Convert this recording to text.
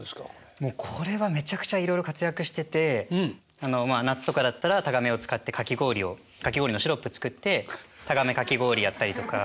もうこれはめちゃくちゃいろいろ活躍してて夏とかだったらタガメを使ってかき氷をかき氷のシロップ作ってタガメかき氷やったりとか。